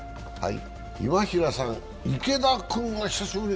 今平さん池田君が久しぶり。